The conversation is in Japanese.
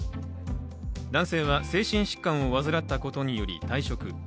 男性は精神疾患を患ったことにより退職。